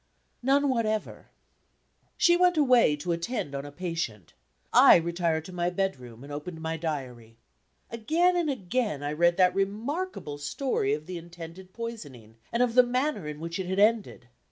"None whatever." She went away to attend on a patient. I retired to my bedroom, and opened my Diary. Again and again, I read that remarkable story of the intended poisoning, and of the manner in which it had ended.